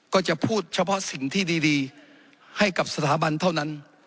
ก็จะพูดเฉพาะสิ่งที่ดีให้กับสถาบันเท่านั้น